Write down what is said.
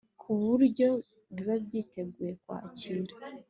ku buryo biba byiteguye kwakira